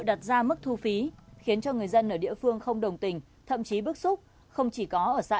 đặt ra mức thu phí khiến cho người dân ở địa phương không đồng tình thậm chí bức xúc không chỉ có ở xã